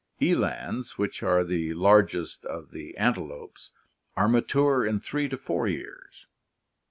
Elands, which are the largest of the an telopes, are mature in three to four years.